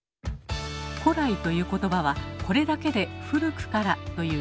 「古来」という言葉はこれだけで「古くから」という意味です。